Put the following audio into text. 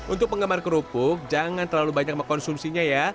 untuk penggemar kerupuk jangan terlalu banyak mengkonsumsinya ya